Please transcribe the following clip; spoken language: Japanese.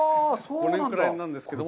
５年くらいなんですけども。